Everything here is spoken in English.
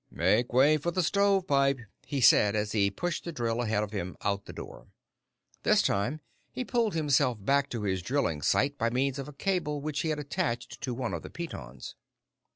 "Make way for the stovepipe!" he said as he pushed the drill ahead of him, out the door. This time, he pulled himself back to his drilling site by means of a cable which he had attached to one of the pitons.